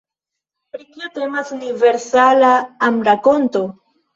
Pri kio temas Universala Amrakonto?